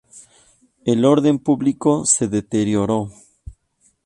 El orden público se deterioró.